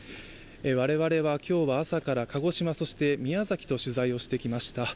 我々は今日は朝から鹿児島、そして宮崎と取材をしてきました。